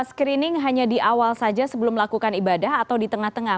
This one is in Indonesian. screening hanya di awal saja sebelum melakukan ibadah atau di tengah tengah